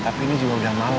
tapi ini juga sudah malam ma